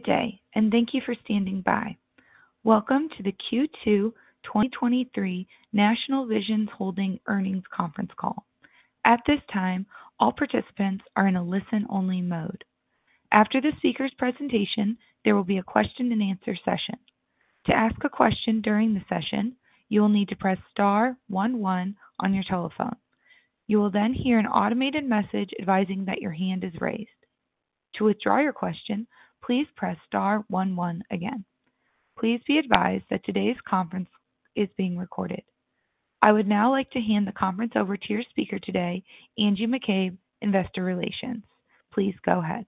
Good day, and thank you for standing by. Welcome to the Q2 2023 National Vision Holdings Earnings Conference Call. At this time, all participants are in a listen-only mode. After the speaker's presentation, there will be a question-and-answer session. To ask a question during the session, you will need to press star one one on your telephone. You will then hear an automated message advising that your hand is raised. To withdraw your question, please press star one one again. Please be advised that today's conference is being recorded. I would now like to hand the conference over to your speaker today, Angie McCabe, Investor Relations. Please go ahead.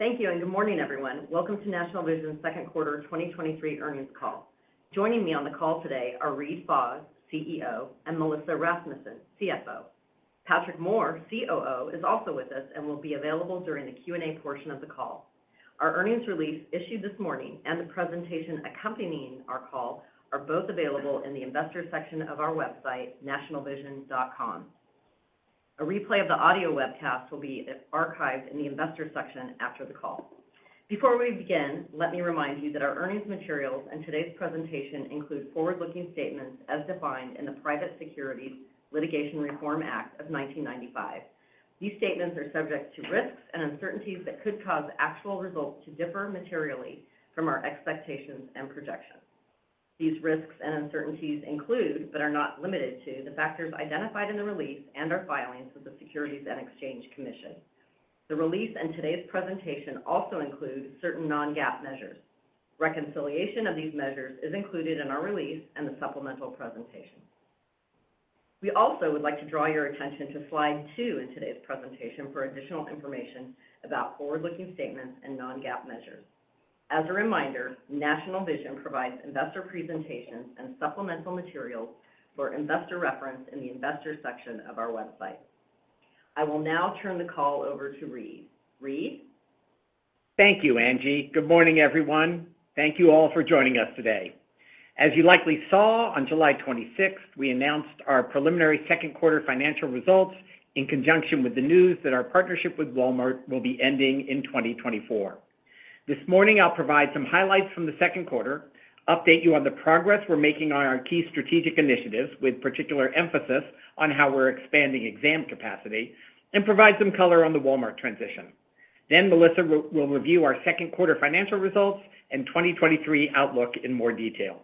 Thank you. Good morning, everyone. Welcome to National Vision's second quarter 2023 earnings call. Joining me on the call today are Reade Fahs, CEO, and Melissa Rasmussen, CFO. Patrick Moore, COO, is also with us and will be available during the Q&A portion of the call. Our earnings release, issued this morning, and the presentation accompanying our call are both available in the Investors section of our website, nationalvision.com. A replay of the audio webcast will be archived in the Investors section after the call. Before we begin, let me remind you that our earnings materials and today's presentation include forward-looking statements as defined in the Private Securities Litigation Reform Act of 1995. These statements are subject to risks and uncertainties that could cause actual results to differ materially from our expectations and projections. These risks and uncertainties include, but are not limited to, the factors identified in the release and our filings with the Securities and Exchange Commission. The release in today's presentation also includes certain non-GAAP measures. Reconciliation of these measures is included in our release and the supplemental presentation. We also would like to draw your attention to slide two in today's presentation for additional information about forward-looking statements and non-GAAP measures. As a reminder, National Vision provides investor presentations and supplemental materials for investor reference in the Investors section of our website. I will now turn the call over to Reade. Reade? Thank you, Angie. Good morning, everyone. Thank you all for joining us today. As you likely saw, on July 26th, we announced our preliminary second quarter financial results in conjunction with the news that our partnership with Walmart will be ending in 2024. This morning, I'll provide some highlights from the second quarter, update you on the progress we're making on our key strategic initiatives, with particular emphasis on how we're expanding exam capacity, and provide some color on the Walmart transition. Melissa will review our second quarter financial results and 2023 outlook in more detail.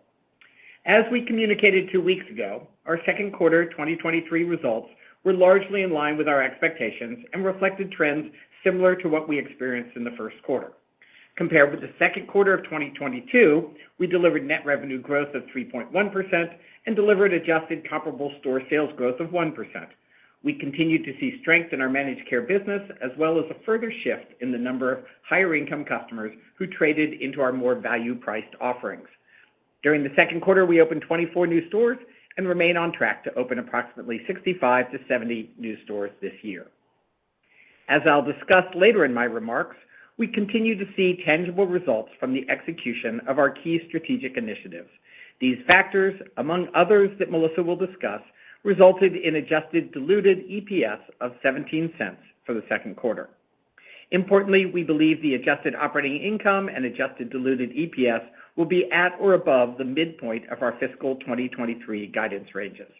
As we communicated two weeks ago, our second quarter 2023 results were largely in line with our expectations and reflected trends similar to what we experienced in the first quarter. Compared with the second quarter of 2022, we delivered net revenue growth of 3.1% and delivered adjusted comparable store sales growth of 1%. We continued to see strength in our managed care business, as well as a further shift in the number of higher-income customers who traded into our more value-priced offerings. During the second quarter, we opened 24 new stores and remain on track to open approximately 65-70 new stores this year. As I'll discuss later in my remarks, we continue to see tangible results from the execution of our key strategic initiatives. These factors, among others that Melissa will discuss, resulted in adjusted diluted EPS of $0.17 for the second quarter. Importantly, we believe the adjusted operating income and adjusted diluted EPS will be at or above the midpoint of our fiscal 2023 guidance ranges.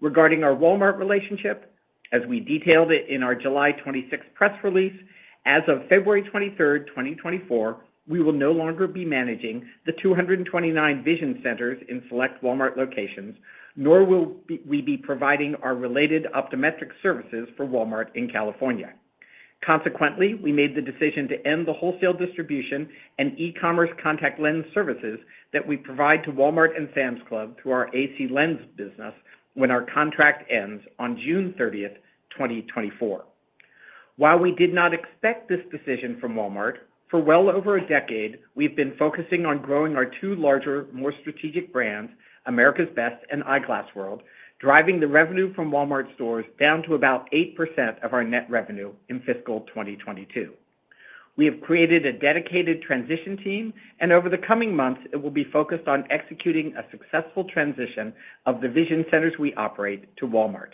Regarding our Walmart relationship, as we detailed it in our July 26th press release, as of February 23rd, 2024, we will no longer be managing the 229 Vision centers in select Walmart locations, nor will we be providing our related optometric services for Walmart in California. Consequently, we made the decision to end the wholesale distribution and e-commerce contact lens services that we provide to Walmart and Sam's Club through our AC Lens business when our contract ends on June 30th, 2024. While we did not expect this decision from Walmart, for well over a decade, we've been focusing on growing our two larger, more strategic brands, America's Best and Eyeglass World, driving the revenue from Walmart stores down to about 8% of our net revenue in fiscal 2022. We have created a dedicated transition team, and over the coming months, it will be focused on executing a successful transition of the vision centers we operate to Walmart.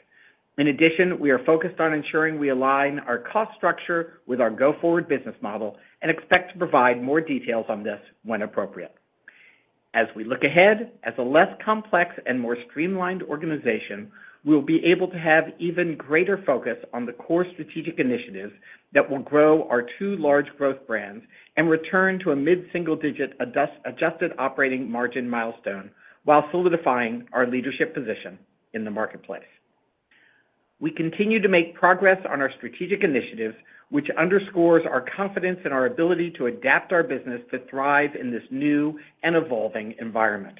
In addition, we are focused on ensuring we align our cost structure with our go-forward business model and expect to provide more details on this when appropriate. As we look ahead, as a less complex and more streamlined organization, we will be able to have even greater focus on the core strategic initiatives that will grow our two large growth brands and return to a mid-single-digit adjust- adjusted operating margin milestone while solidifying our leadership position in the marketplace. We continue to make progress on our strategic initiatives, which underscores our confidence in our ability to adapt our business to thrive in this new and evolving environment.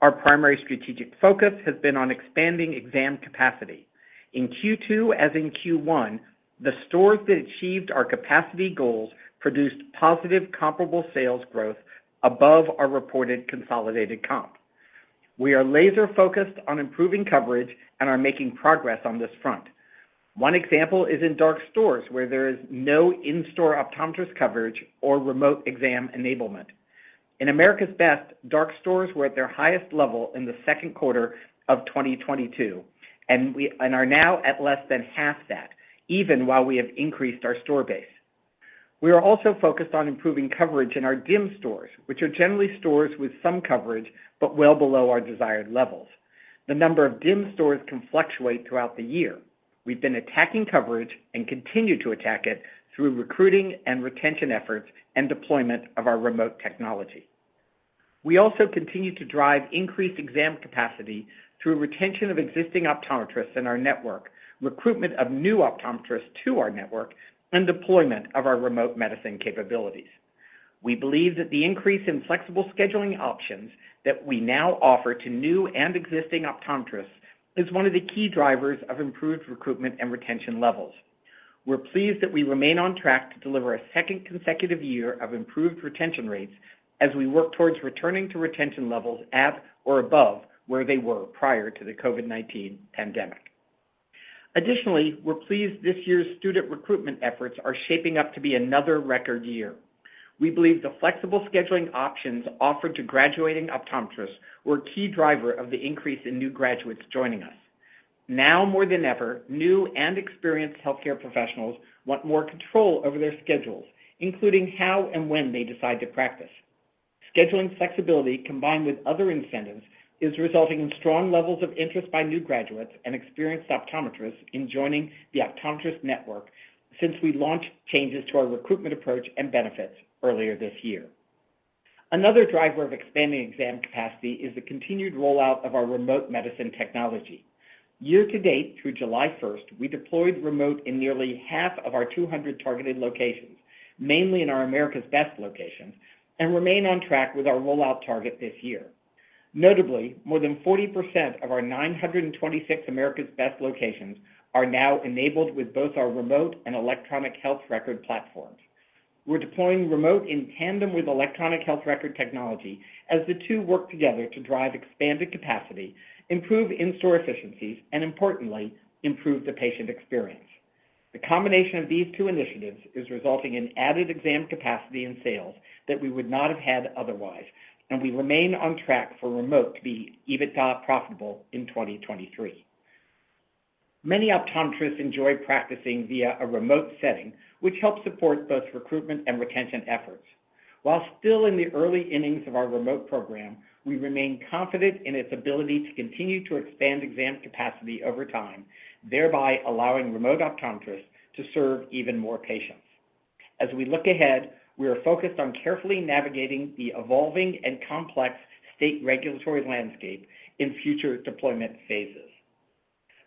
Our primary strategic focus has been on expanding exam capacity. In Q2, as in Q1, the stores that achieved our capacity goals produced positive comparable sales growth above our reported consolidated comp. We are laser-focused on improving coverage and are making progress on this front. One example is in dark stores, where there is no in-store optometrist coverage or remote exam enablement. In America's Best, dark stores were at their highest level in the second quarter of 2022, and are now at less than half that, even while we have increased our store base. We are also focused on improving coverage in our dim stores, which are generally stores with some coverage, but well below our desired levels. The number of dim stores can fluctuate throughout the year. We've been attacking coverage and continue to attack it through recruiting and retention efforts and deployment of our remote technology. We also continue to drive increased exam capacity through retention of existing optometrists in our network, recruitment of new optometrists to our network, and deployment of our remote medicine capabilities. We believe that the increase in flexible scheduling options that we now offer to new and existing optometrists is one of the key drivers of improved recruitment and retention levels. We're pleased that we remain on track to deliver a second consecutive year of improved retention rates as we work towards returning to retention levels at or above where they were prior to the COVID-19 pandemic. Additionally, we're pleased this year's student recruitment efforts are shaping up to be another record year. We believe the flexible scheduling options offered to graduating optometrists were a key driver of the increase in new graduates joining us. Now more than ever, new and experienced healthcare professionals want more control over their schedules, including how and when they decide to practice. Scheduling flexibility, combined with other incentives, is resulting in strong levels of interest by new graduates and experienced optometrists in joining the optometrist network since we launched changes to our recruitment approach and benefits earlier this year. Another driver of expanding exam capacity is the continued rollout of our remote medicine technology. Year to date, through July 1st, we deployed remote in nearly half of our 200 targeted locations, mainly in our America's Best locations, and remain on track with our rollout target this year. Notably, more than 40% of our 926 America's Best locations are now enabled with both our remote and electronic health record platforms. We're deploying remote in tandem with electronic health record technology as the two work together to drive expanded capacity, improve in-store efficiencies, and importantly, improve the patient experience. The combination of these two initiatives is resulting in added exam capacity and sales that we would not have had otherwise, we remain on track for remote to be EBITDA profitable in 2023. Many optometrists enjoy practicing via a remote setting, which helps support both recruitment and retention efforts. While still in the early innings of our remote program, we remain confident in its ability to continue to expand exam capacity over time, thereby allowing remote optometrists to serve even more patients. As we look ahead, we are focused on carefully navigating the evolving and complex state regulatory landscape in future deployment phases.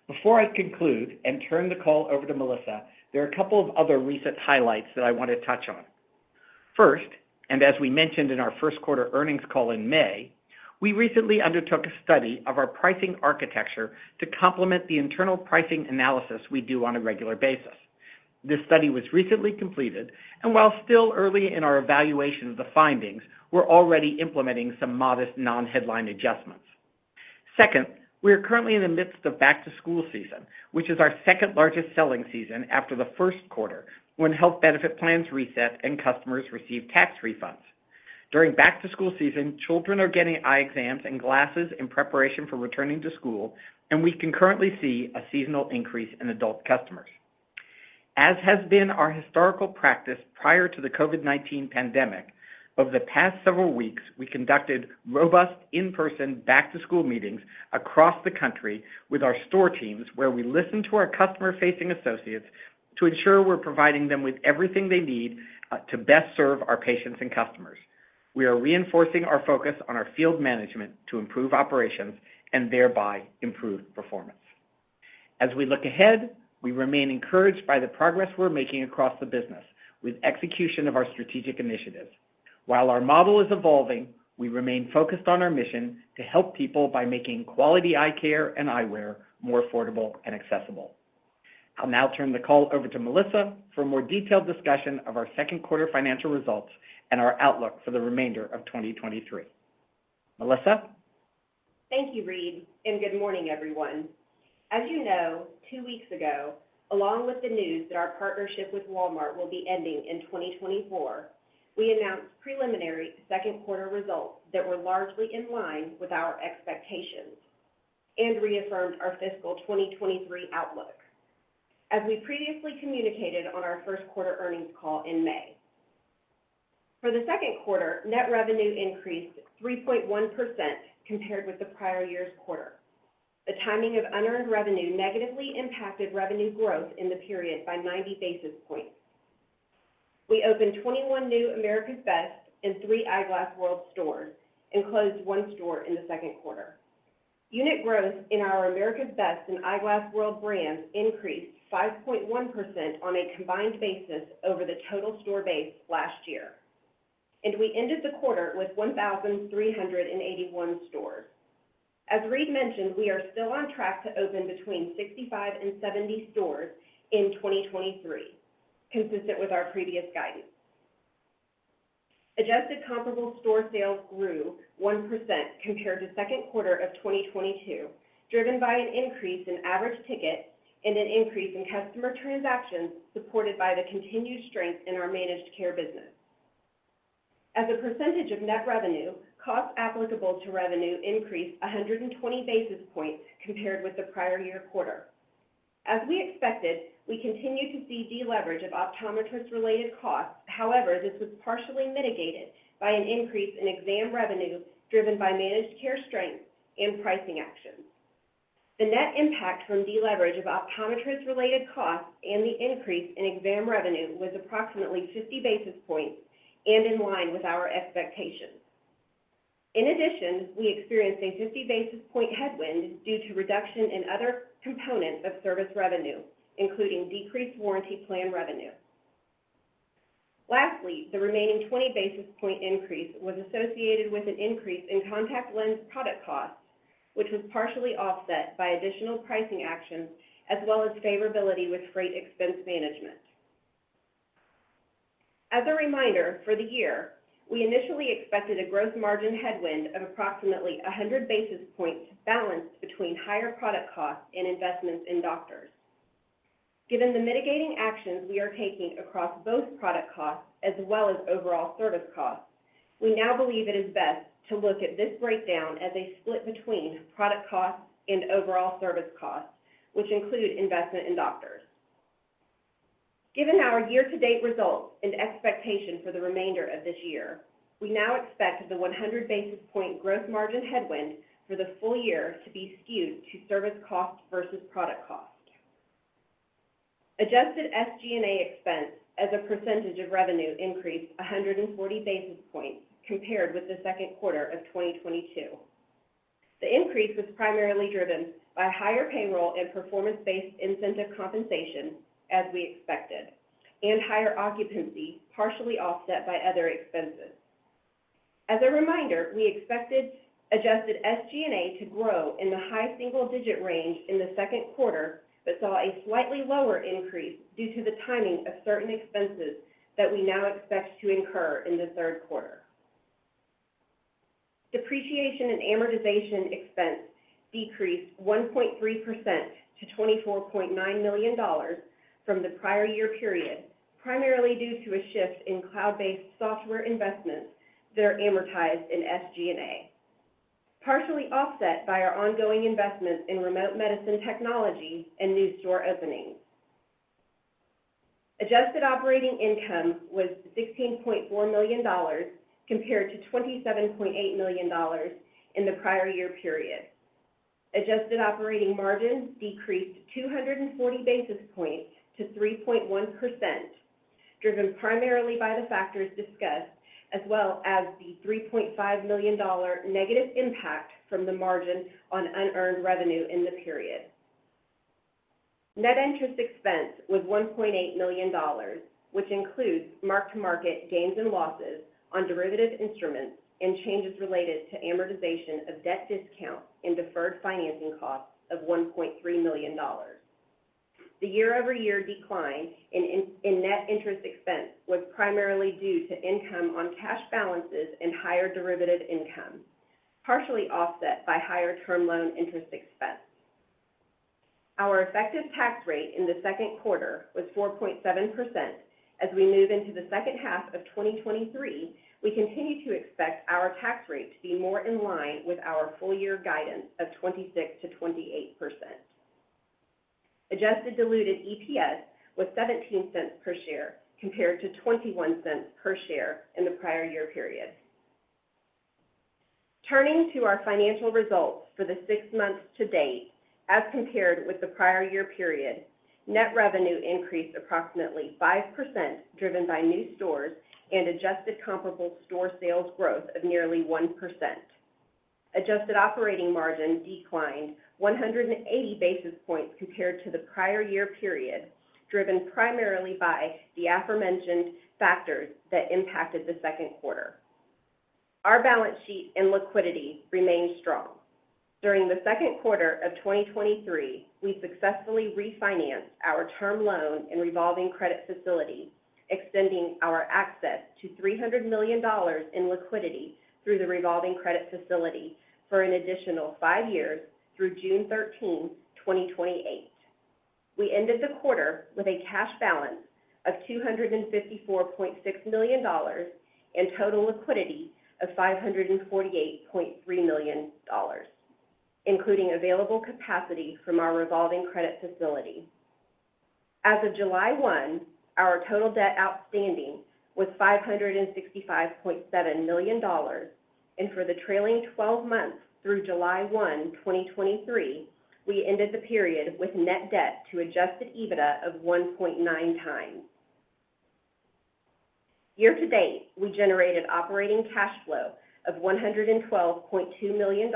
Before I conclude and turn the call over to Melissa, there are a couple of other recent highlights that I want to touch on. First, as we mentioned in our first quarter earnings call in May, we recently undertook a study of our pricing architecture to complement the internal pricing analysis we do on a regular basis. This study was recently completed. While still early in our evaluation of the findings, we're already implementing some modest non-headline adjustments. Second, we are currently in the midst of back-to-school season, which is our second-largest selling season after the first quarter, when health benefit plans reset and customers receive tax refunds. During back-to-school season, children are getting eye exams and glasses in preparation for returning to school, and we can currently see a seasonal increase in adult customers. As has been our historical practice prior to the COVID-19 pandemic, over the past several weeks, we conducted robust in-person back-to-school meetings across the country with our store teams, where we listened to our customer-facing associates to ensure we're providing them with everything they need to best serve our patients and customers. We are reinforcing our focus on our field management to improve operations and thereby improve performance. As we look ahead, we remain encouraged by the progress we're making across the business with execution of our strategic initiatives. While our model is evolving, we remain focused on our mission to help people by making quality eye care and eyewear more affordable and accessible. I'll now turn the call over to Melissa for a more detailed discussion of our second quarter financial results and our outlook for the remainder of 2023. Melissa? Thank you, Reade, and good morning, everyone. As you know, two weeks ago, along with the news that our partnership with Walmart will be ending in 2024, we announced preliminary second quarter results that were largely in line with our expectations and reaffirmed our fiscal 2023 outlook, as we previously communicated on our first quarter earnings call in May. For the second quarter, net revenue increased 3.1% compared with the prior year's quarter. The timing of unearned revenue negatively impacted revenue growth in the period by 90 basis points. We opened 21 new America's Best and 3 Eyeglass World stores and closed one store in the second quarter. Unit growth in our America's Best and Eyeglass World brands increased 5.1% on a combined basis over the total store base last year, and we ended the quarter with 1,381 stores. As Reade mentioned, we are still on track to open between 65 and 70 stores in 2023, consistent with our previous guidance. Adjusted comparable store sales grew 1% compared to second quarter of 2022, driven by an increase in average ticket and an increase in customer transactions, supported by the continued strength in our managed care business. As a percentage of net revenue, costs applicable to revenue increased 120 basis points compared with the prior year quarter. As we expected, we continued to see deleverage of optometrist-related costs. However, this was partially mitigated by an increase in exam revenue, driven by managed care strength and pricing actions. The net impact from deleverage of optometrist-related costs and the increase in exam revenue was approximately 50 basis points and in line with our expectations. In addition, we experienced a 50 basis point headwind due to reduction in other components of service revenue, including decreased warranty plan revenue. Lastly, the remaining 20 basis point increase was associated with an increase in contact lens product costs, which was partially offset by additional pricing actions, as well as favorability with freight expense management. As a reminder, for the year, we initially expected a gross margin headwind of approximately 100 basis points, balanced between higher product costs and investments in doctors. Given the mitigating actions we are taking across both product costs as well as overall service costs, we now believe it is best to look at this breakdown as a split between product costs and overall service costs, which include investment in doctors. Given our year-to-date results and expectation for the remainder of this year, we now expect the 100 basis point gross margin headwind for the full year to be skewed to service cost versus product cost. Adjusted SG&A expense as a percentage of revenue increased 140 basis points compared with the second quarter of 2022. The increase was primarily driven by higher payroll and performance-based incentive compensation, as we expected, and higher occupancy, partially offset by other expenses. As a reminder, we expected adjusted SG&A to grow in the high single-digit range in the second quarter, but saw a slightly lower increase due to the timing of certain expenses that we now expect to incur in the third quarter. Depreciation and amortization expense decreased 1.3% to $24.9 million from the prior year period, primarily due to a shift in cloud-based software investments that are amortized in SG&A, partially offset by our ongoing investments in remote medicine technology and new store openings. Adjusted operating income was $16.4 million, compared to $27.8 million in the prior year period. Adjusted operating margin decreased 240 basis points to 3.1%, driven primarily by the factors discussed, as well as the $3.5 million negative impact from the margin on unearned revenue in the period. Net interest expense was $1.8 million, which includes mark-to-market gains and losses on derivative instruments and changes related to amortization of debt discount and deferred financing costs of $1.3 million. The year-over-year decline in net interest expense was primarily due to income on cash balances and higher derivative income, partially offset by higher term loan interest expense. Our effective tax rate in the second quarter was 4.7%. As we move into the second half of 2023, we continue to expect our tax rate to be more in line with our full year guidance of 26%-28%. Adjusted diluted EPS was $0.17 per share, compared to $0.21 per share in the prior year period. Turning to our financial results for the six months to date as compared with the prior year period, net revenue increased approximately 5%, driven by new stores and adjusted comparable store sales growth of nearly 1%. Adjusted operating margin declined 180 basis points compared to the prior year period, driven primarily by the aforementioned factors that impacted the second quarter. Our balance sheet and liquidity remain strong. During the second quarter of 2023, we successfully refinanced our term loan and revolving credit facility, extending our access to $300 million in liquidity through the revolving credit facility for an additional five years through June 13th, 2028. We ended the quarter with a cash balance of $254.6 million and total liquidity of $548.3 million, including available capacity from our revolving credit facility. As of July 1, our total debt outstanding was $565.7 million, and for the trailing 12 months through July 1, 2023, we ended the period with net debt to adjusted EBITDA of 1.9 times. Year to date, we generated operating cash flow of $112.2 million.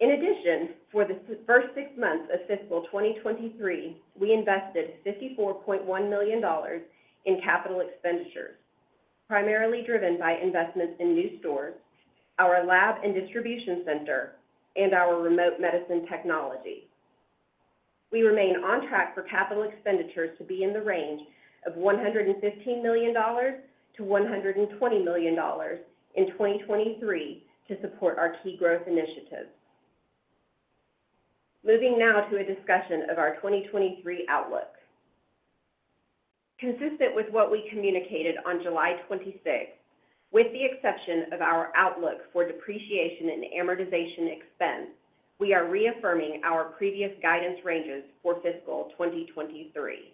In addition, for the first six months of fiscal 2023, we invested $54.1 million in capital expenditures, primarily driven by investments in new stores, our lab and distribution center, and our remote medicine technology. We remain on track for capital expenditures to be in the range of $115 million to $120 million in 2023 to support our key growth initiatives. Moving now to a discussion of our 2023 outlook. Consistent with what we communicated on July 26th, with the exception of our outlook for depreciation and amortization expense, we are reaffirming our previous guidance ranges for fiscal 2023.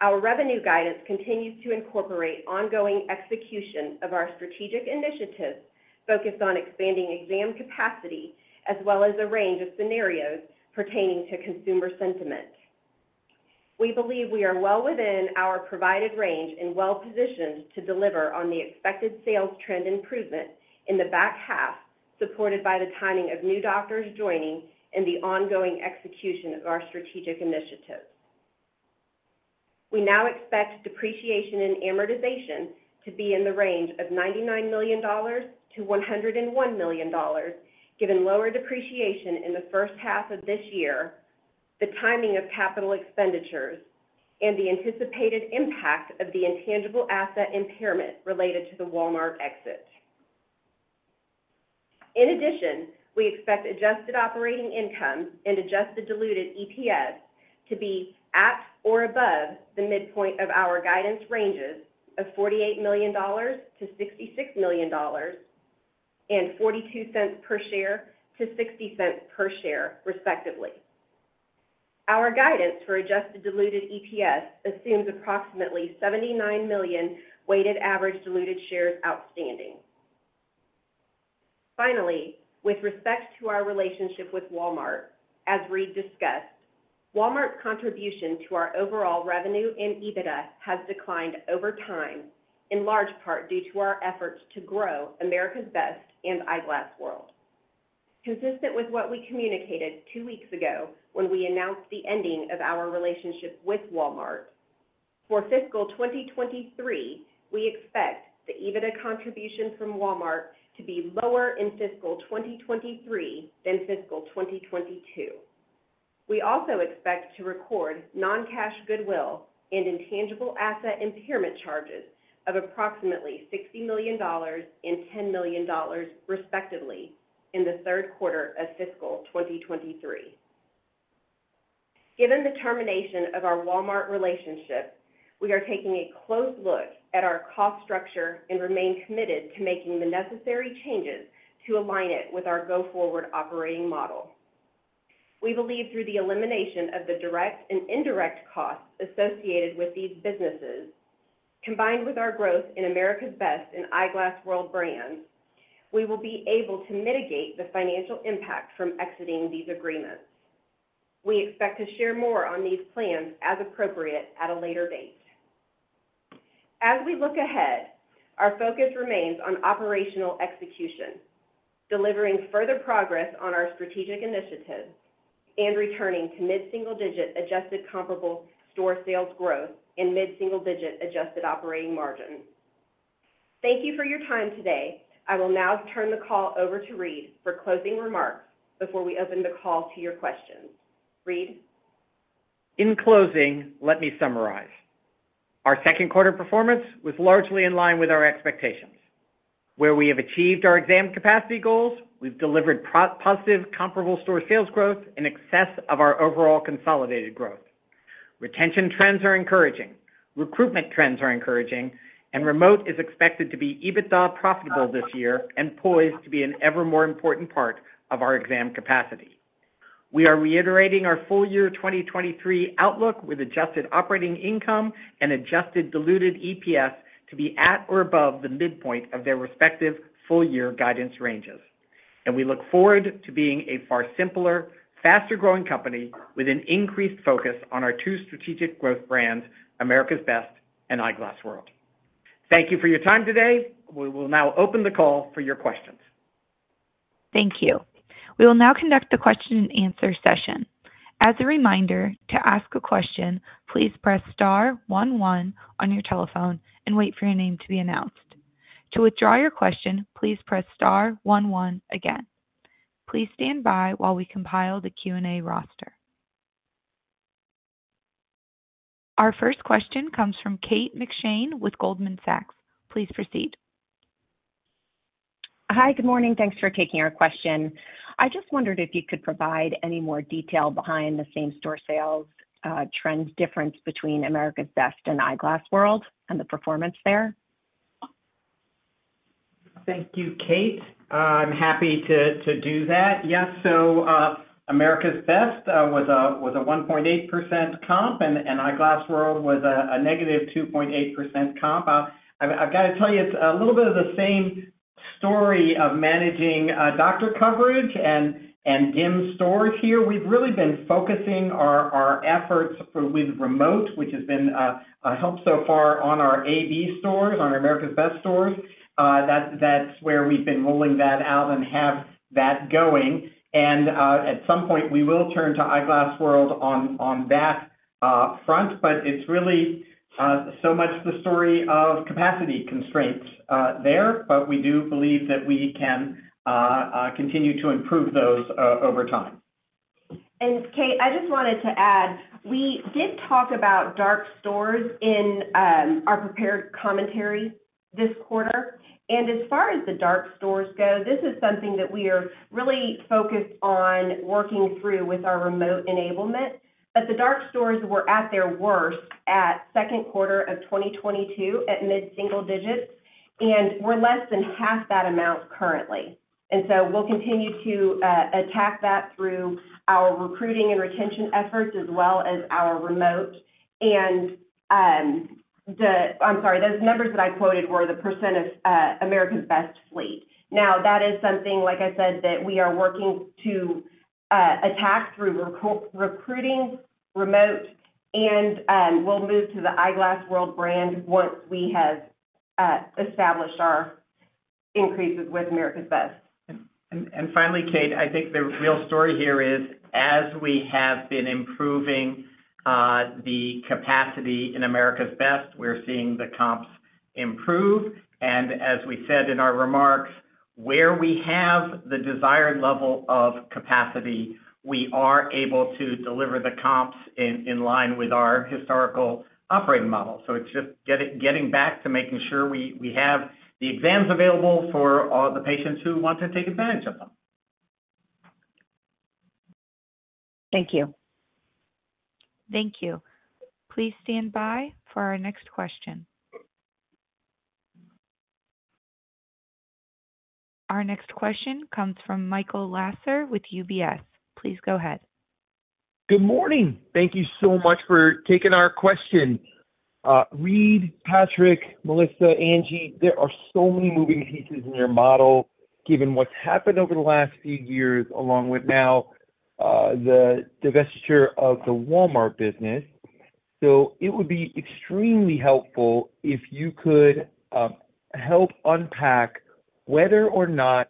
Our revenue guidance continues to incorporate ongoing execution of our strategic initiatives focused on expanding exam capacity, as well as a range of scenarios pertaining to consumer sentiment. We believe we are well within our provided range and well positioned to deliver on the expected sales trend improvement in the back half, supported by the timing of new doctors joining and the ongoing execution of our strategic initiatives. We now expect depreciation and amortization to be in the range of $99 million to $101 million, given lower depreciation in the first half of this year, the timing of capital expenditures, and the anticipated impact of the intangible asset impairment related to the Walmart exit. In addition, we expect adjusted operating income and adjusted diluted EPS to be at or above the midpoint of our guidance ranges of $48 million to $66 million and $0.42 per share to $0.60 per share, respectively. Our guidance for adjusted diluted EPS assumes approximately 79 million weighted average diluted shares outstanding. Finally, with respect to our relationship with Walmart, as Reade discussed, Walmart's contribution to our overall revenue and EBITDA has declined over time, in large part due to our efforts to grow America's Best and Eyeglass World. Consistent with what we communicated two weeks ago when we announced the ending of our relationship with Walmart, for fiscal 2023, we expect the EBITDA contribution from Walmart to be lower in fiscal 2023 than fiscal 2022. We also expect to record non-cash goodwill and intangible asset impairment charges of approximately $60 million and $10 million, respectively, in the third quarter of fiscal 2023. Given the termination of our Walmart relationship, we are taking a close look at our cost structure and remain committed to making the necessary changes to align it with our go-forward operating model. We believe through the elimination of the direct and indirect costs associated with these businesses, combined with our growth in America's Best and Eyeglass World brands, we will be able to mitigate the financial impact from exiting these agreements. We expect to share more on these plans as appropriate at a later date. As we look ahead, our focus remains on operational execution, delivering further progress on our strategic initiatives, and returning to mid-single digit adjusted comparable store sales growth and mid-single digit adjusted operating margin. Thank you for your time today. I will now turn the call over to Reade for closing remarks before we open the call to your questions. Reade? In closing, let me summarize. Our second quarter performance was largely in line with our expectations. Where we have achieved our exam capacity goals, we've delivered pro- positive comparable store sales growth in excess of our overall consolidated growth. Retention trends are encouraging, recruitment trends are encouraging, and remote is expected to be EBITDA profitable this year and poised to be an ever more important part of our exam capacity. We are reiterating our full year 2023 outlook with adjusted operating income and adjusted diluted EPS to be at or above the midpoint of their respective full-year guidance ranges. We look forward to being a far simpler, faster-growing company with an increased focus on our two strategic growth brands, America's Best and Eyeglass World. Thank you for your time today. We will now open the call for your questions. Thank you. We will now conduct the question and answer session. As a reminder, to ask a question, please press star one one on your telephone and wait for your name to be announced. To withdraw your question, please press star one one again. Please stand by while we compile the Q&A roster. Our first question comes from Kate McShane with Goldman Sachs. Please proceed. Hi, good morning. Thanks for taking our question. I just wondered if you could provide any more detail behind the same-store sales, trends difference between America's Best and Eyeglass World and the performance there? Thank you, Kate. I'm happy to, to do that. Yes, America's Best was a 1.8% comp, Eyeglass World was a -2.8% comp. I've, I've got to tell you, it's a little bit of the same story of managing doctor coverage and dime stores here. We've really been focusing our, our efforts for with remote, which has been a help so far on our AB stores, on our America's Best stores. That's, that's where we've been rolling that out and have that going. At some point, we will turn to Eyeglass World on that front, but it's really so much the story of capacity constraints there, but we do believe that we can continue to improve those over time.... Kate, I just wanted to add, we did talk about dark stores in our prepared commentary this quarter. As far as the dark stores go, this is something that we are really focused on working through with our remote enablement. The dark stores were at their worst at second quarter of 2022, at mid-single digits, and we're less than half that amount currently. So we'll continue to attack that through our recruiting and retention efforts, as well as our remote. I'm sorry, those numbers that I quoted were the % of America's Best fleet. That is something, like I said, that we are working to attack through recruiting remote, and we'll move to the Eyeglass World brand once we have established our increases with America's Best. And finally, Kate, I think the real story here is, as we have been improving, the capacity in America's Best, we're seeing the comps improve. As we said in our remarks, where we have the desired level of capacity, we are able to deliver the comps in, in line with our historical operating model. It's just getting back to making sure we, we have the exams available for all the patients who want to take advantage of them. Thank you. Thank you. Please stand by for our next question. Our next question comes from Michael Lasser with UBS. Please go ahead. Good morning. Thank you so much for taking our question. Reade, Patrick, Melissa, Angie, there are so many moving pieces in your model, given what's happened over the last few years, along with now, the divestiture of the Walmart business. It would be extremely helpful if you could help unpack whether or not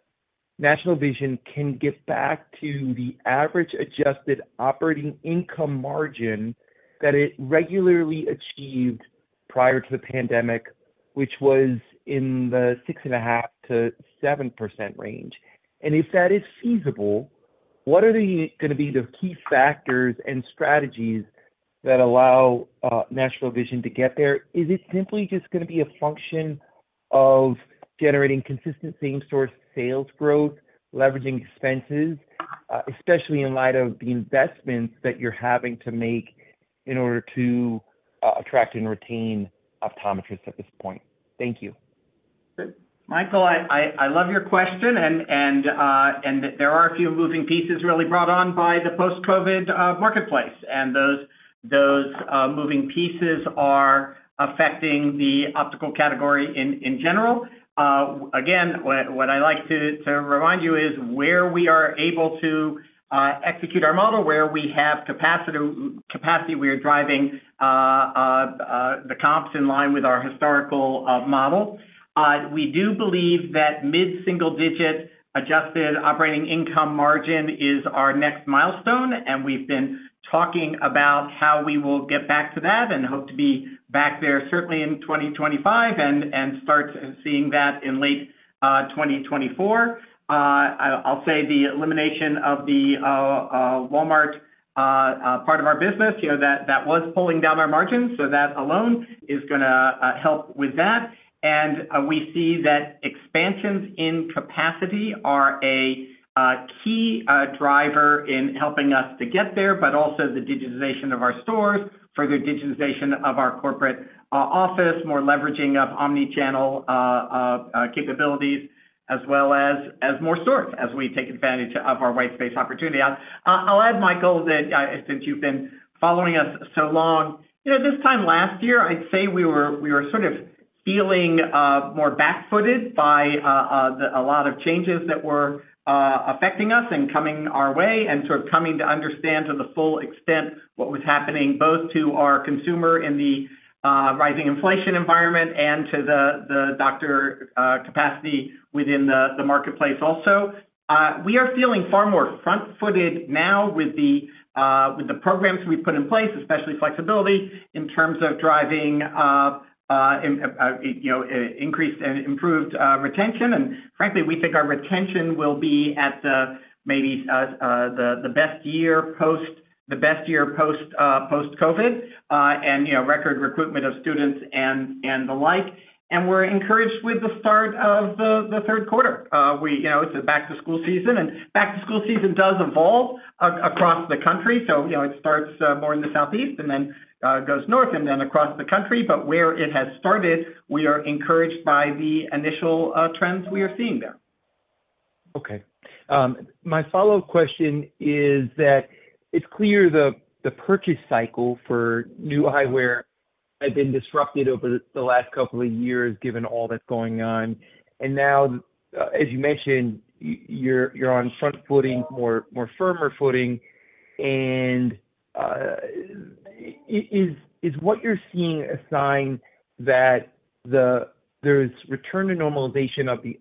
National Vision can get back to the average adjusted operating income margin that it regularly achieved prior to the pandemic, which was in the 6.5%-7% range. If that is feasible, what are the gonna be the key factors and strategies that allow National Vision to get there? Is it simply just gonna be a function of generating consistent same-store sales growth, leveraging expenses, especially in light of the investments that you're having to make in order to attract and retain optometrists at this point? Thank you. Michael, I, I, I love your question. There are a few moving pieces really brought on by the post-COVID marketplace, and those moving pieces are affecting the optical category in general. Again, what I like to remind you is, where we are able to execute our model, where we have capacity, capacity, we are driving the comps in line with our historical model. We do believe that mid-single digit adjusted operating income margin is our next milestone, and we've been talking about how we will get back to that and hope to be back there certainly in 2025, and start seeing that in late 2024. I'll, I'll say the elimination of the Walmart part of our business, you know, that, that was pulling down our margins, so that alone is going to help with that. And we see that expansions in capacity are a key driver in helping us to get there, but also the digitization of our stores, further digitization of our corporate office, more leveraging of omnichannel capabilities, as well as more stores as we take advantage of our white space opportunity I'll add, Michael, that, since you've been following us so long, you know, this time last year, I'd say we were, we were sort of feeling more backfooted by the, a lot of changes that were affecting us and coming our way, and sort of coming to understand to the full extent what was happening, both to our consumer in the rising inflation environment and to the, the doctor capacity within the marketplace also. We are feeling far more front-footed now with the programs we've put in place, especially flexibility, in terms of driving, you know, increased and improved retention. Frankly, we think our retention will be at the, maybe, the best year post the best year post-COVID, and, you know, record recruitment of students and, and the like. We're encouraged with the start of the third quarter. We, you know, it's a back-to-school season, and back-to-school season does evolve across the country. You know, it starts more in the southeast and then goes north and then across the country. Where it has started, we are encouraged by the initial trends we are seeing there. Okay. My follow-up question is that it's clear the, the purchase cycle for new eyewear has been disrupted over the last couple of years, given all that's going on. Now, as you mentioned, you're, you're on front footing, more, more firmer footing, and, is, is what you're seeing a sign that there's return to normalization of the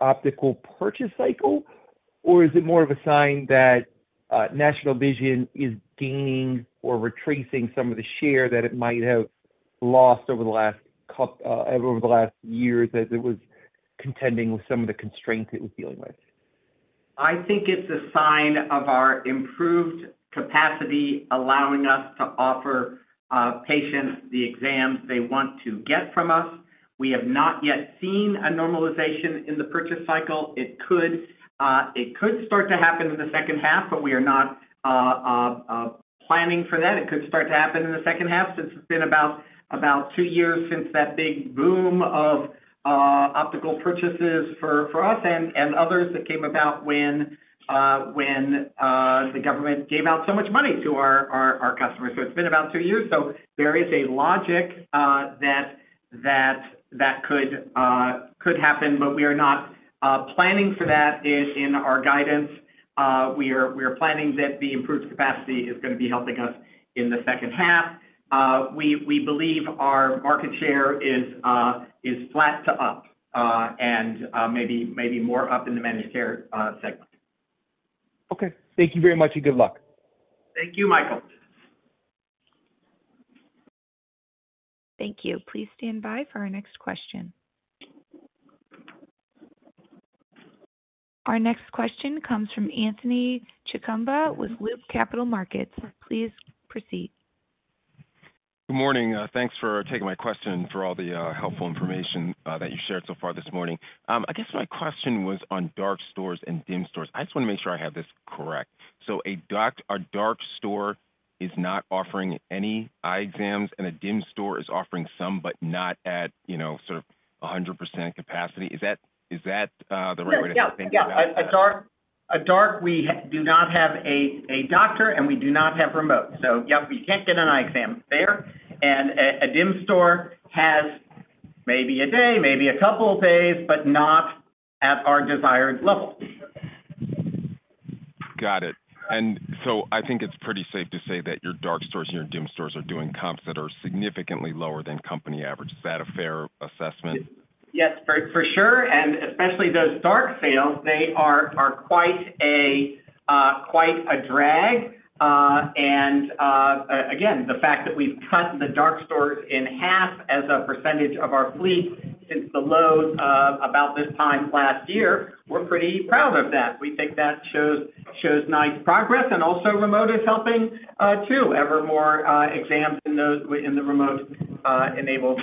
optical purchase cycle, or is it more of a sign that National Vision is gaining or retracing some of the share that it might have?... lost over the last year as it was contending with some of the constraints it was dealing with? I think it's a sign of our improved capacity, allowing us to offer patients the exams they want to get from us. We have not yet seen a normalization in the purchase cycle. It could, it could start to happen in the second half, but we are not planning for that. It could start to happen in the second half, since it's been about two years since that big boom of optical purchases for us and others that came about when the government gave out so much money to our customers. It's been about two years. There is a logic that could happen, but we are not planning for that in our guidance. We are, we are planning that the improved capacity is gonna be helping us in the second half. We, we believe our market share is, is flat to up, and maybe, maybe more up in the managed care segment. Okay. Thank you very much. Good luck. Thank you, Michael. Thank you. Please stand by for our next question. Our next question comes from Anthony Chukumba with Loop Capital Markets. Please proceed. Good morning, thanks for taking my question and for all the helpful information that you've shared so far this morning. I guess my question was on dark stores and dime stores. I just wanna make sure I have this correct. So a dark store is not offering any eye exams, and a dime store is offering some, but not at, you know, sort of 100% capacity. Is that, is that the right way to think about that? Yes. Yeah, yeah. A dark, a dark, we do not have a, a doctor, and we do not have remote. Yep, you can't get an eye exam there. A, a dime store has maybe a day, maybe a couple of days, but not at our desired level. Got it. I think it's pretty safe to say that your dark stores and your dime stores are doing comps that are significantly lower than company average. Is that a fair assessment? Yes, for, for sure, especially those dark stores, they are quite a drag. Again, the fact that we've cut the dark stores in half as a percentage of our fleet since the lows of about this time last year, we're pretty proud of that. We think that shows nice progress, and also remote is helping too. Evermore exams in those in the remote enabled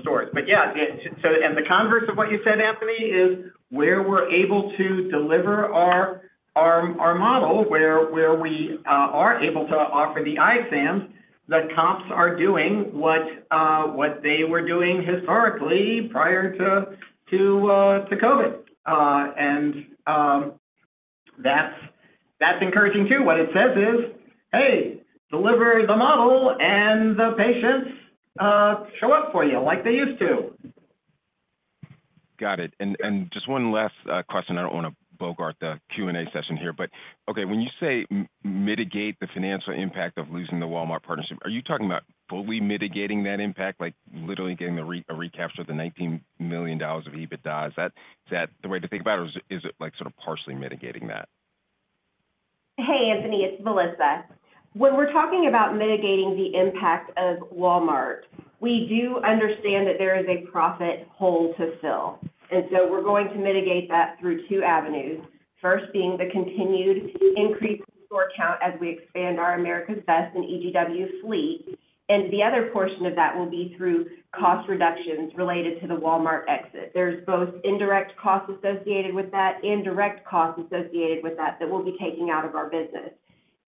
stores. The converse of what you said, Anthony, is where we're able to deliver our model, where we are able to offer the eye exams, the comps are doing what they were doing historically prior to COVID. That's encouraging too. What it says is, "Hey, deliver the model, and the patients show up for you like they used to. Got it. And just one last question. I don't wanna bogart the Q&A session here. Okay, when you say mitigate the financial impact of losing the Walmart partnership, are you talking about fully mitigating that impact, like literally getting a recapture of the $19 million of EBITDA? Is that, is that the way to think about it, or is, is it like sort of partially mitigating that? Hey, Anthony, it's Melissa. When we're talking about mitigating the impact of Walmart, we do understand that there is a profit hole to fill, and so we're going to mitigate that through two avenues. First, being the continued increase in store count as we expand our America's Best and EGW fleet, and the other portion of that will be through cost reductions related to the Walmart exit. There's both indirect costs associated with that and direct costs associated with that, that we'll be taking out of our business.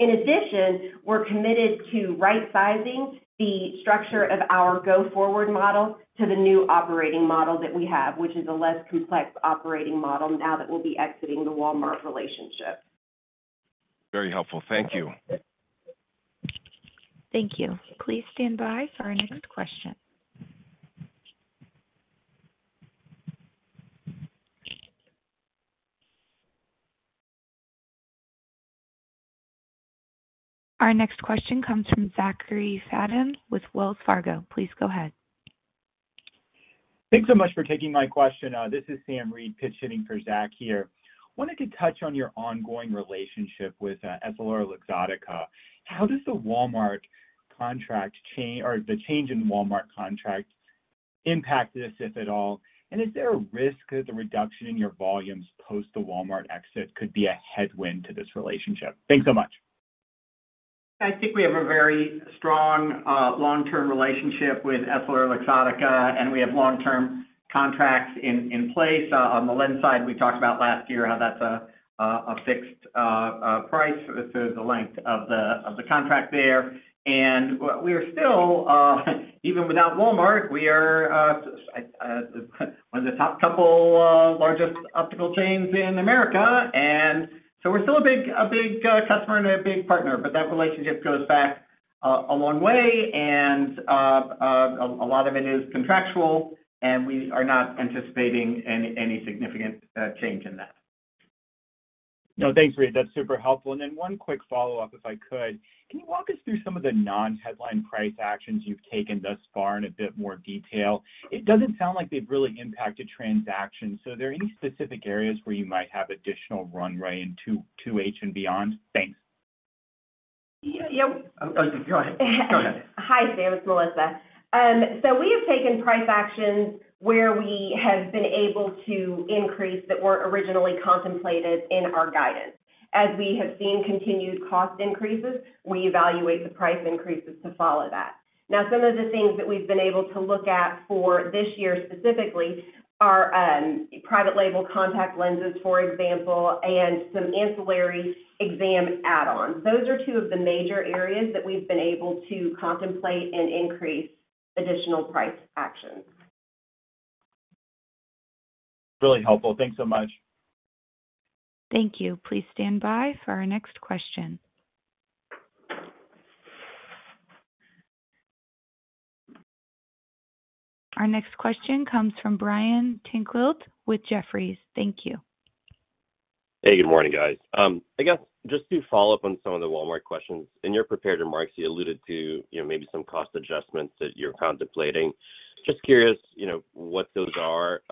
In addition, we're committed to right-sizing the structure of our go-forward model to the new operating model that we have, which is a less complex operating model now that we'll be exiting the Walmart relationship. Very helpful. Thank you. Thank you. Please stand by for our next question. Our next question comes from Zachary Fadem with Wells Fargo. Please go ahead. Thanks so much for taking my question. This is Sam Reid pitch sitting for Zach here. Wanted to touch on your ongoing relationship with EssilorLuxottica. How does the Walmart contract change-- or the change in Walmart contract impact this, if at all? Is there a risk that the reduction in your volumes post the Walmart exit could be a headwind to this relationship? Thanks so much. I think we have a very strong long-term relationship with EssilorLuxottica, and we have long-term contracts in, in place. On the lens side, we talked about last year how that's a fixed price for the length of the contract there. We are still, even without Walmart, we are one of the top couple largest optical chains in America, and so we're still a big, a big customer and a big partner. That relationship goes back a long way, and a lot of it is contractual, and we are not anticipating any significant change in that. No, thanks, Reade. That's super helpful. One quick follow-up, if I could: Can you walk us through some of the non-headline price actions you've taken thus far in a bit more detail? It doesn't sound like they've really impacted transactions, so are there any specific areas where you might have additional runway into 2H and beyond? Thanks Yeah, yeah. Oh, go ahead. Go ahead. Hi, Sam, it's Melissa. We have taken price actions where we have been able to increase that weren't originally contemplated in our guidance. As we have seen continued cost increases, we evaluate the price increases to follow that. Some of the things that we've been able to look at for this year specifically are private label contact lenses, for example, and some ancillary exam add-ons. Those are two of the major areas that we've been able to contemplate and increase additional price actions. Really helpful. Thanks so much. Thank you. Please stand by for our next question. Our next question comes from Brian Tanquilut with Jefferies. Thank you. Hey, good morning, guys. I guess just to follow up on some of the Walmart questions. In your prepared remarks, you alluded to, you know, maybe some cost adjustments that you're contemplating. Just curious, you know, what those are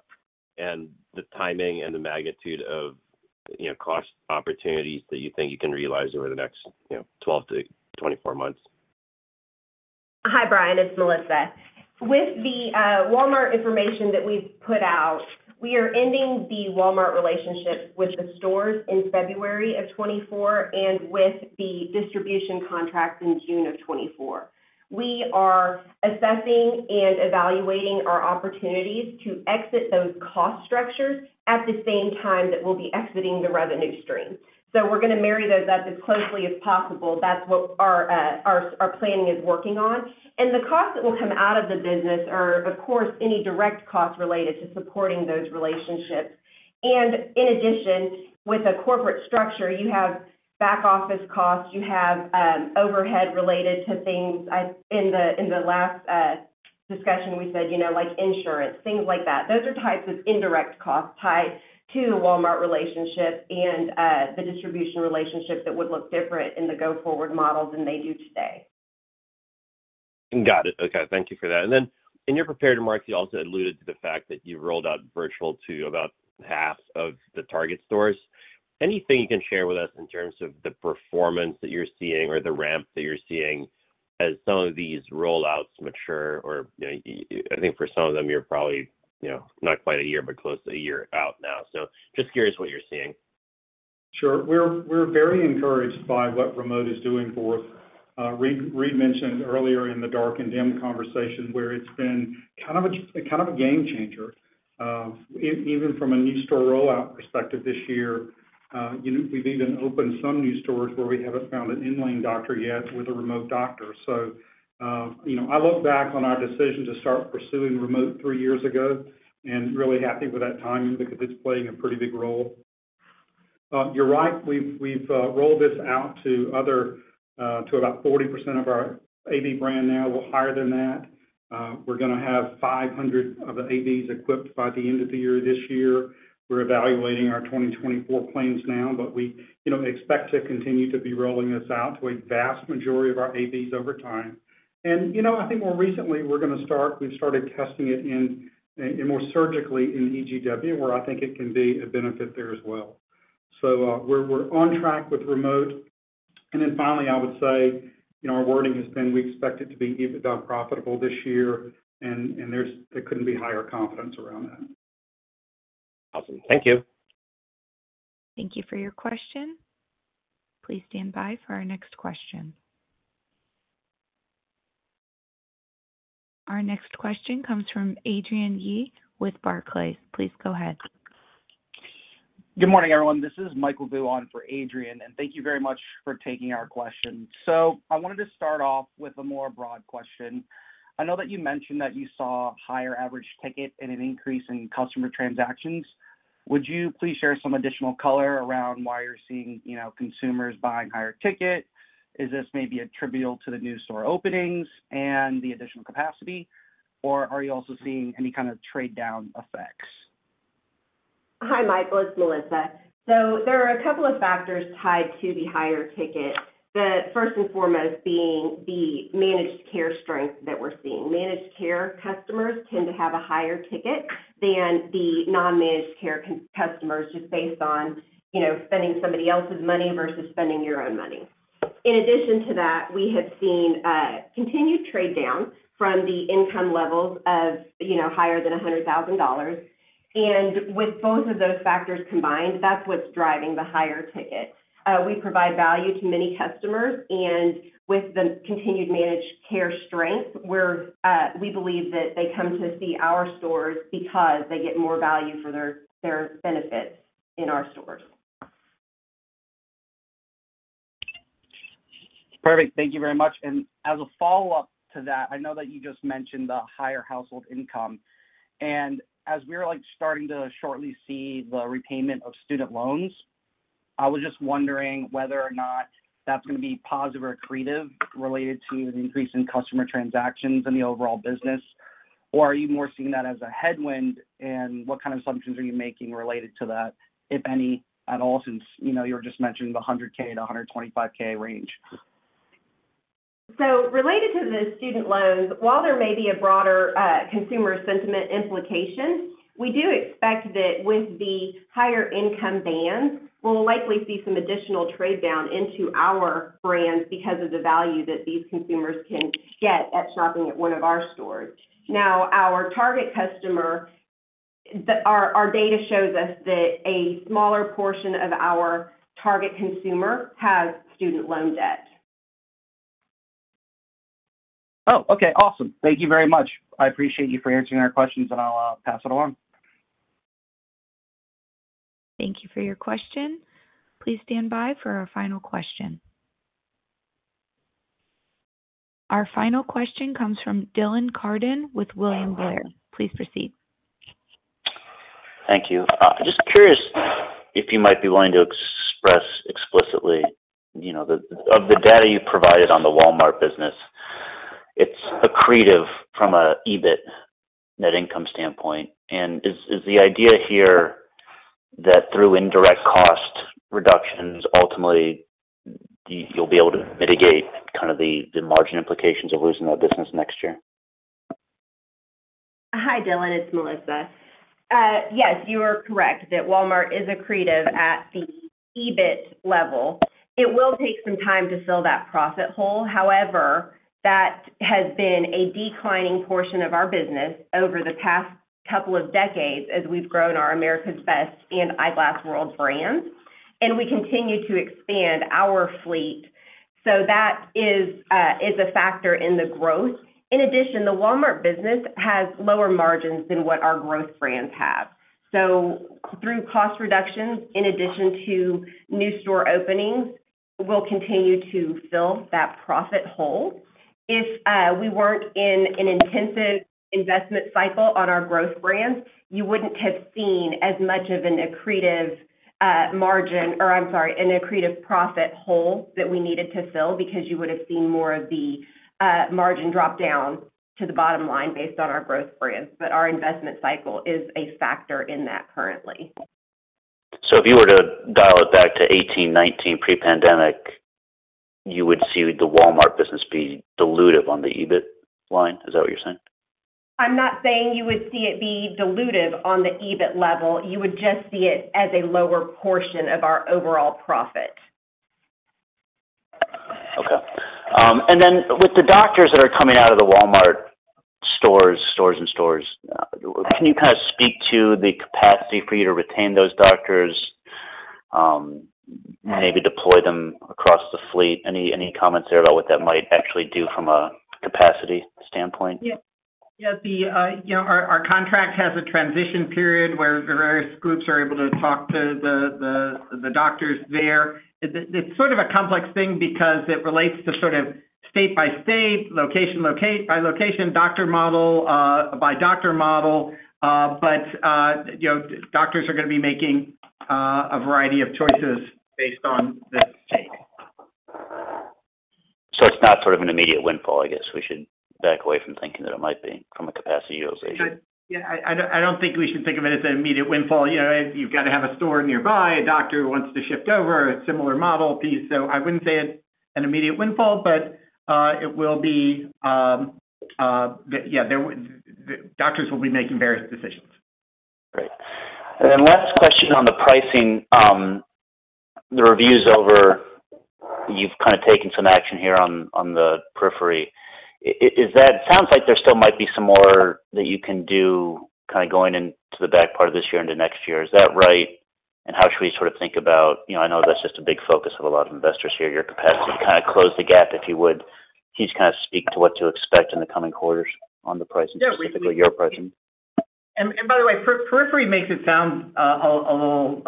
and the timing and the magnitude of, you know, cost opportunities that you think you can realize over the next, you know, 12 to 24 months. Hi, Brian, it's Melissa. With the Walmart information that we've put out, we are ending the Walmart relationship with the stores in February of 2024 and with the distribution contract in June of 2024. We are assessing and evaluating our opportunities to exit those cost structures at the same time that we'll be exiting the revenue stream. We're gonna marry those up as closely as possible. That's what our, our, our planning is working on. The costs that will come out of the business are, of course, any direct costs related to supporting those relationships. In addition, with the corporate structure, you have back office costs, you have overhead related to things. In the last discussion, we said, you know, like insurance, things like that. Those are types of indirect costs tied to the Walmart relationship and, the distribution relationship that would look different in the go-forward model than they do today. Got it. Okay, thank you for that. In your prepared remarks, you also alluded to the fact that you've rolled out virtual to about half of the Target stores. Anything you can share with us in terms of the performance that you're seeing or the ramp that you're seeing as some of these rollouts mature? You know, I think for some of them, you're probably, you know, not quite a year, but close to a year out now. Just curious what you're seeing. Sure. We're, we're very encouraged by what remote is doing for us. Reid mentioned earlier in the dark and dime conversation, where it's been kind of a, kind of a game changer. Even from a new store rollout perspective this year, you know, we've even opened some new stores where we haven't found an in-lane doctor yet with a remote doctor. You know, I look back on our decision to start pursuing remote three years ago and really happy with that timing because it's playing a pretty big role. You're right, we've, we've, rolled this out to other, to about 40% of our AB brand now, well, higher than that. We're gonna have 500 of the ABs equipped by the end of the year, this year. We're evaluating our 2024 plans now, we, you know, expect to continue to be rolling this out to a vast majority of our ABs over time. You know, I think more recently, we've started testing it in, more surgically in EGW, where I think it can be a benefit there as well. We're, we're on track with remote. Finally, I would say, you know, our wording has been we expect it to be EBITDA profitable this year, and, and there's, there couldn't be higher confidence around that. Awesome. Thank you. Thank you for your question. Please stand by for our next question. Our next question comes from Adrienne Yih with Barclays. Please go ahead. Good morning, everyone. This is Michael Ng for Adrienne. Thank you very much for taking our question. I wanted to start off with a more broad question. I know that you mentioned that you saw higher average ticket and an increase in customer transactions. Would you please share some additional color around why you're seeing, you know, consumers buying higher ticket? Is this maybe attributable to the new store openings and the additional capacity, or are you also seeing any kind of trade-down effects? Hi, Michael, it's Melissa. There are a couple of factors tied to the higher ticket. The first and foremost being the managed care strength that we're seeing. Managed care customers tend to have a higher ticket than the non-managed care customers, just based on, you know, spending somebody else's money versus spending your own money. In addition to that, we have seen continued trade down from the income levels of, you know, higher than $100,000. With both of those factors combined, that's what's driving the higher ticket. We provide value to many customers, and with the continued managed care strength, we're, we believe that they come to see our stores because they get more value for their, their benefits in our stores. Perfect. Thank you very much. As a follow-up to that, I know that you just mentioned the higher household income, and as we're, like, starting to shortly see the repayment of student loans, I was just wondering whether or not that's gonna be positive or accretive related to the increase in customer transactions in the overall business, or are you more seeing that as a headwind? What kind of assumptions are you making related to that, if any at all, since, you know, you were just mentioning the 100K to 125K range? Related to the student loans, while there may be a broader, consumer sentiment implication, we do expect that with the higher income bands, we'll likely see some additional trade down into our brands because of the value that these consumers can get at shopping at one of our stores. Our target customer, our data shows us that a smaller portion of our target consumer has student loan debt. Oh, okay. Awesome. Thank you very much. I appreciate you for answering our questions, and I'll pass it on. Thank you for your question. Please stand by for our final question. Our final question comes from Dylan Carden with William Blair. Please proceed. Thank you. Just curious if you might be willing to express explicitly, you know, the data you've provided on the Walmart business, it's accretive from an EBIT net income standpoint. Is the idea here that through indirect cost reductions, ultimately you'll be able to mitigate kind of the margin implications of losing that business next year? Hi, Dylan, it's Melissa. Yes, you are correct that Walmart is accretive at the EBIT level. It will take some time to fill that profit hole. However, that has been a declining portion of our business over the past couple of decades as we've grown our America's Best and Eyeglass World brands, and we continue to expand our fleet. That is a factor in the growth. In addition, the Walmart business has lower margins than what our growth brands have. Through cost reductions, in addition to new store openings, we'll continue to fill that profit hole. If we weren't in an intensive investment cycle on our growth brands, you wouldn't have seen as much of an accretive margin, or I'm sorry, an accretive profit hole that we needed to fill because you would have seen more of the margin drop down to the bottom line based on our growth brands. Our investment cycle is a factor in that currently. If you were to dial it back to 2018, 2019 pre-pandemic, you would see the Walmart business be dilutive on the EBIT line. Is that what you're saying? I'm not saying you would see it be dilutive on the EBIT level. You would just see it as a lower portion of our overall profit. Okay. And then with the doctors that are coming out of the Walmart stores, can you kind of speak to the capacity for you to retain those doctors, maybe deploy them across the fleet? Any comments there about what that might actually do from a capacity standpoint? Yeah. Yeah, the, you know, our, our contract has a transition period where the various groups are able to talk to the, the, the doctors there. It, it's sort of a complex thing because it relates to sort of state by state, location, by location, doctor model, by doctor model. You know, doctors are gonna be making a variety of choices based on the state. It's not sort of an immediate windfall. I guess we should back away from thinking that it might be from a capacity utilization. I, I don't, I don't think we should think of it as an immediate windfall. You know, you've got to have a store nearby, a doctor who wants to shift over, a similar model piece. I wouldn't say it's an immediate windfall, but it will be. Doctors will be making various decisions. Great. Then last question on the pricing, the reviews over, you've kind of taken some action here on, on the periphery. Is, is that- sounds like there still might be some more that you can do, kind of going into the back part of this year and the next year. Is that right? How should we sort of think about, you know, I know that's just a big focus of a lot of investors here, your capacity to kind of close the gap, if you would. Can you just kind of speak to what to expect in the coming quarters on the pricing, specifically your pricing? By the way, periphery makes it sound a little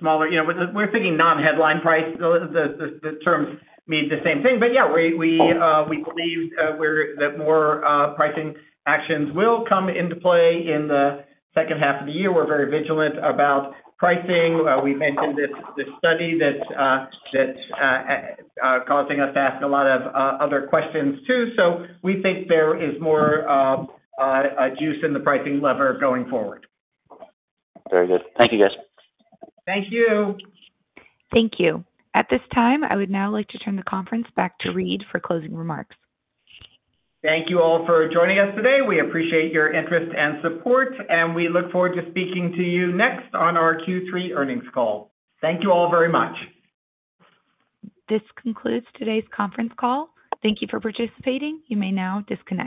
smaller. You know, we're thinking non-headline price. The terms mean the same thing, yeah, we believe that more pricing actions will come into play in the second half of the year. We're very vigilant about pricing. We've mentioned this, this study that causing us to ask a lot of other questions too. We think there is more juice in the pricing lever going forward. Very good. Thank you, guys. Thank you. Thank you. At this time, I would now like to turn the conference back to Reade for closing remarks. Thank you all for joining us today. We appreciate your interest and support, and we look forward to speaking to you next on our Q3 earnings call. Thank you all very much. This concludes today's conference call. Thank you for participating. You may now disconnect.